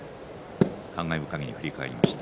感慨深く振り返りました。